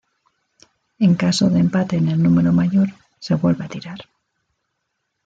En caso de empate en el número mayor se vuelve a tirar.